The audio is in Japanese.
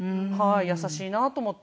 優しいなと思って。